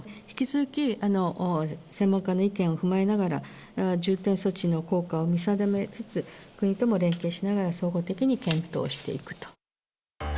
引き続き専門家の意見を踏まえながら、重点措置の効果を見定めつつ、国とも連携しながら総合的に検討していくと。